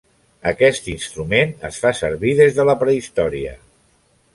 Aquest instrument es fa servir des de la prehistòria.